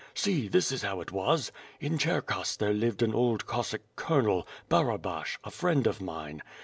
See, this is how it was. In Cherkass there lived an old Cossack Colonel, Barabash, a friend of mine.